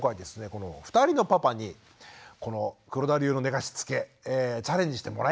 この２人のパパにこの黒田流の寝かしつけチャレンジしてもらいました。